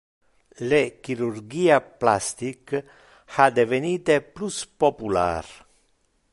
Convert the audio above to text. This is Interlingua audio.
Le chirurgia plastic ha devenite plus popular.